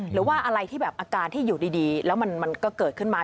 หรือว่าอะไรที่แบบอาการที่อยู่ดีแล้วมันก็เกิดขึ้นมา